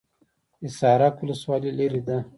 حصارک ولسوالۍ لیرې ده؟